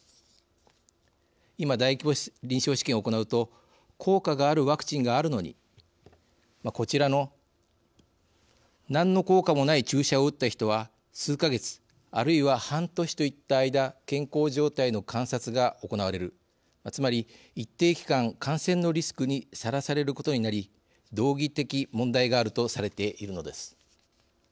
今大規模臨床試験を行うと効果があるワクチンがあるのにこちらの何の効果もない注射を打った人は数か月あるいは半年といった間健康状態の観察が行われるつまり一定期間感染のリスクにさらされることになり道義的問題があるとされているのです。